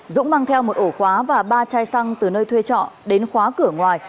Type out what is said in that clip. dũng mang theo một ổ khóa và ba chai xăng từ nơi thuê trọ đến khóa cửa ngoài